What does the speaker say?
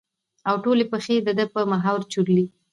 او ټولې پېښې د ده په محور چورلي.